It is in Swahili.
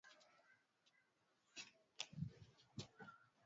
kushauri kuifungia anga yake